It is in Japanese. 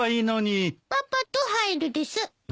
パパと入るです。